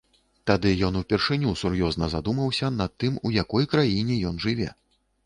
Тады ён упершыню сур'ёзна задумаўся над тым, у якой краіне ён жыве.